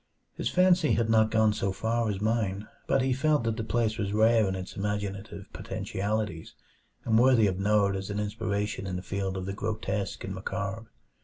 His fancy had not gone so far as mine, but he felt that the place was rare in its imaginative potentialities, and worthy of note as an inspiration in the field of the grotesque and macabre.